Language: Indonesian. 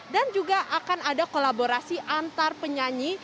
dan juga akan ada kolaborasi antar penyanyi